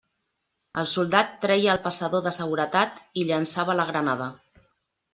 El soldat treia el passador de seguretat i llançava la granada.